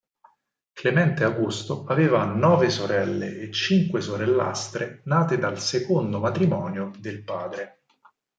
Clemente Augusto aveva nove sorelle e cinque sorellastre nate dal secondo matrimonio del padre.